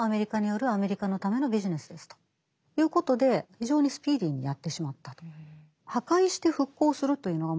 ということで非常にスピーディーにやってしまったと。